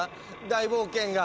大冒険が！